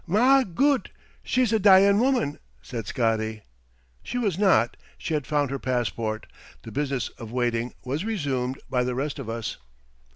"Ma Gud, she's a dyin' woman!" said Scotty. She was not. She had found her passport. The business of waiting was resumed by the rest of us.